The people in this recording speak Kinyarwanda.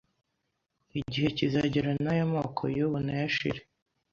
igihe kizagera n’aya moko y’ubu nayo ashire